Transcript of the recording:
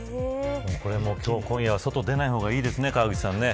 これは今夜、外に出ない方がいいですね川口さんね。